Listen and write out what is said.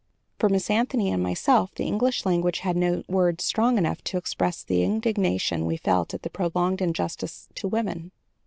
For Miss Anthony and myself, the English language had no words strong enough to express the indignation we felt at the prolonged injustice to women.